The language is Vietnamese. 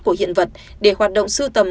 của hiện vật để hoạt động sưu tầm